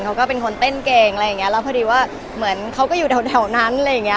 เขาก็เป็นคนเต้นเก่งอะไรอย่างเงี้แล้วพอดีว่าเหมือนเขาก็อยู่แถวนั้นอะไรอย่างเงี้